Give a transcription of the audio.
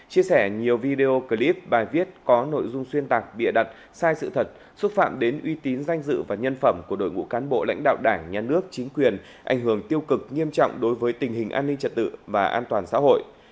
chia sẻ nhiều video clip bài viết có nội dung xuyên tạc bịa đặt sai sự thật xúc phạm đến uy tín danh dự và nhân phẩm của đội ngũ cán bộ lãnh đạo đảng nhà nước chính quyền ảnh hưởng tiêu cực nghiêm trọng đối với tình hình an ninh trật tự và an toàn xã hội